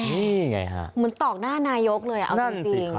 นี่ไงฮะเหมือนตอกหน้านายกเลยเอาจริง